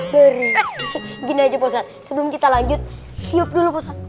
gini aja posat sebelum kita lanjut yuk dulu